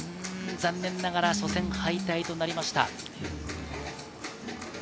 残念ながら初戦敗退となりました。